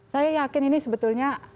saya yakin ini sebetulnya